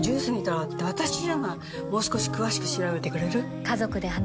もう少し詳しく調べてくれる？